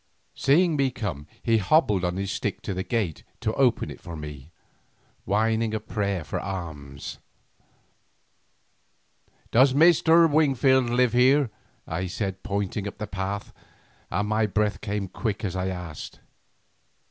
Seeing me come he hobbled on his stick to the gate to open it for me, whining a prayer for alms. "Does Mr. Wingfield live here?" I said, pointing up the path, and my breath came quick as I asked.